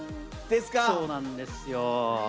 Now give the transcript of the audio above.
そうなんですよ。